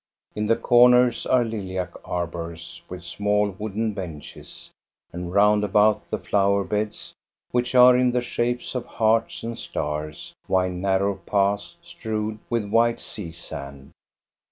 In the corners are lilac arbors with small wooden benches, and round about the flower beds, which are in the shapes of hearts and stars, wind narrow paths strewed with white sea sand.